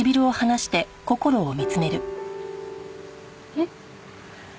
えっ？